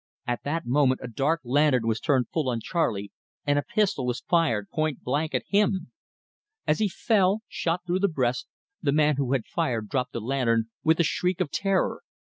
At that moment a dark lantern was turned full on Charley, and a pistol was fired pointblank at him. As he fell, shot through the breast, the man who had fired dropped the lantern with a shriek of terror.